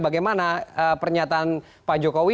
bagaimana pernyataan pak jokowi